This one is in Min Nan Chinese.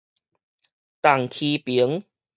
重敧爿